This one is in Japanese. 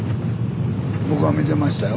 僕は見てましたよ。